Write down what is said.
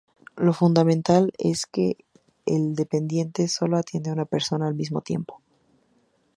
Lo fundamental es que el dependiente solo atiende a una persona al mismo tiempo.